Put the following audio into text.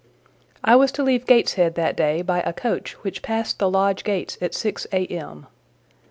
I was to leave Gateshead that day by a coach which passed the lodge gates at six A.M.